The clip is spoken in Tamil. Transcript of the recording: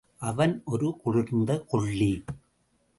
அவன் ஒரு குளிர்ந்த கொள்ளி.